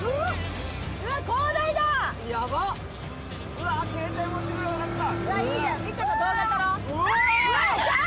うわ携帯持ってくればよかった。